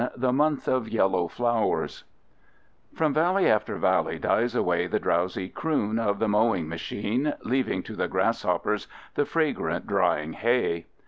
THE MONTH OF YELLOW FLOWERS From valley after valley dies away the drowsy croon of the mowing machine, leaving to the grasshoppers the fragrant drying hay.